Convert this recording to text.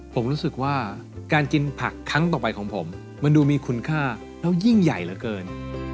ผมรู้สึกว่าการกินผักครั้งต่อไปของผมมันดูมีคุณค่าแล้วยิ่งใหญ่เหลือเกิน